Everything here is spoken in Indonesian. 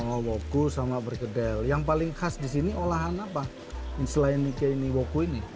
oh woku sama perkedel yang paling khas di sini olahan apa selain nike ini woku ini